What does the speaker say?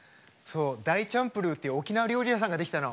だいちゃんぷるっていう沖縄料理屋さんができたの。